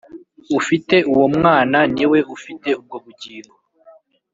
Ufite uwo Mwana niwe ufite ubwo bugingo